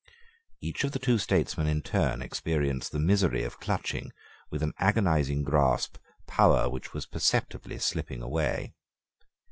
Each of the two statesmen in turn experienced the misery of clutching, with an agonizing grasp, power which was perceptibly slipping away.